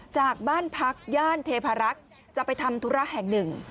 จากบ้านพักย่านเทพารักษ์จะไปทำธุระแห่งหนึ่ง